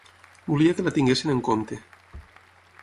Volia que la tinguessin en compte.